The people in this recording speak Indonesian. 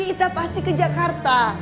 kita pasti ke jakarta